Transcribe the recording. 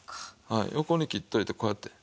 横に切っておいてこうやって。